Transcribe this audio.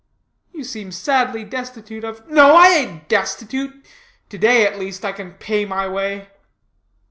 "You seem sadly destitute of " "No I ain't destitute; to day, at least, I can pay my way."